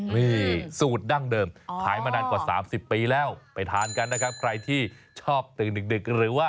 นี่สูตรดั้งเดิมขายมานานกว่า๓๐ปีไปทานกันใครที่ชอบดึกหรือว่า